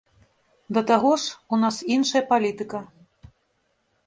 Да таго ж, у нас іншая палітыка.